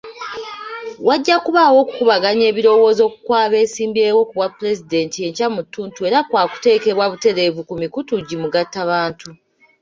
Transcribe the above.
Wajja kubaawo okukubaganya ebirowoozo kw'abeesimbyewo ku bwa Pulezidenti enkya mu ttuntu era kwakuteekebwa butereevu ku mikutu gi mugattabantu.